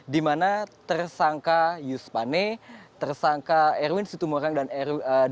di mana tersangka yus pane tersangka erwin sutumorang dan erwin